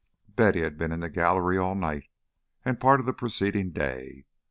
Betty had been in the gallery all night and a part of the preceding day.